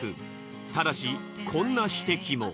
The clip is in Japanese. ただしこんな指摘も。